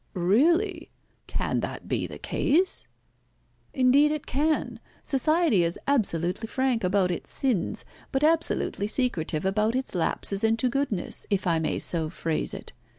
"Really! Can that be the case?" "Indeed, it can. Society is absolutely frank about its sins, but absolutely secretive about its lapses into goodness, if I may so phrase it.